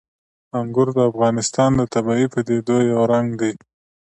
انګور د افغانستان د طبیعي پدیدو یو رنګ دی.